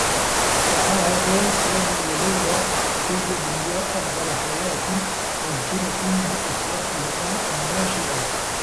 تعاهدا سامي و ليلى كي يبنيا أفضل حياة ممكنة لأسرتهما النّاشئة.